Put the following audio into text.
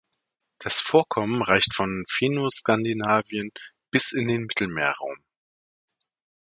Das Vorkommen reicht von Fennoskandinavien bis in den Mittelmeerraum.